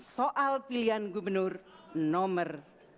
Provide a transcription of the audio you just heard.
soal pilihan gubernur nomor